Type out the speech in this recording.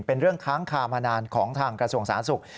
เป็นเรื่องค้างคามานานของทางกระทรวงสาธารณสุข